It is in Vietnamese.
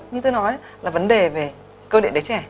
như tôi nói là vấn đề về cơ địa đế trẻ